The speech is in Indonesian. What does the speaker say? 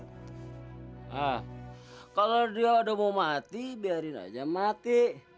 nah kalau dia udah mau mati biarin aja mati